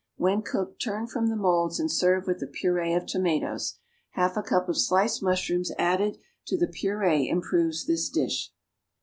When cooked, turn from the moulds and serve with a purée of tomatoes. Half a cup of sliced mushrooms added to the purée improves this dish.